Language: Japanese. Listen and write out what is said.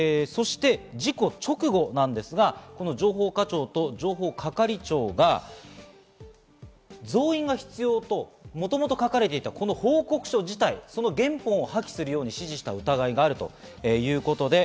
そして事故直後なんですが、情報課長と情報係長が、増員が必要ともともと書かれていたこの報告書自体、その原本を破棄するように指示した疑いがあるということです。